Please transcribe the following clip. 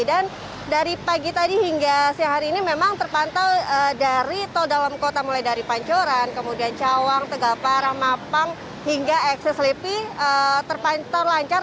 dan dari pagi tadi hingga siang hari ini memang terpantau dari tol dalam kota mulai dari pancoran kemudian cawang tegapara mapang hingga eksis lepi terpantau lancar